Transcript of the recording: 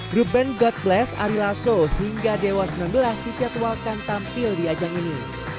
grup band god bless ari lasso hingga dewa sembilan belas dijadwalkan tampil di ajang ini